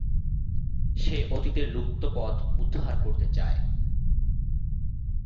সে অতীতের লুপ্ত পথ উদ্ধার করতে চায়।